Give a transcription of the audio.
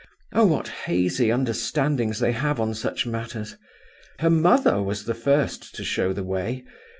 Oh, what hazy understandings they have on such matters! Her mother was the first to show the way.